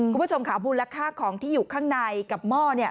คุณผู้ชมค่ะมูลค่าของที่อยู่ข้างในกับหม้อเนี่ย